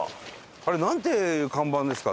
あれなんていう看板ですか？